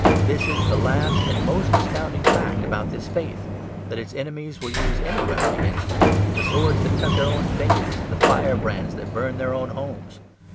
This is the last and most astounding fact about this faith; that its enemies will use any weapon against it, the swords that cut their own fingers, and the firebrands that burn their own homes.